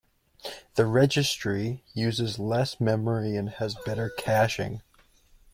The registry uses less memory and has better caching.